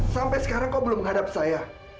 sampai sekarang kau belum menghadap saya